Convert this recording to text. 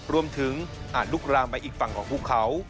รวมถึงอาจลุกลามไปอีกฝั่งของผู้เขา